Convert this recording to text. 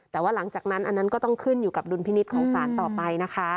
แต่ว่าหลังจากนั้นอันนั้นก็ต้องขึ้นอยู่กับดุลพินิษฐ์ของสารต่อไปนะคะ